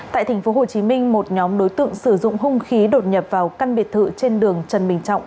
tại tp hcm một nhóm đối tượng sử dụng hung khí đột nhập vào căn biệt thự trên đường trần bình trọng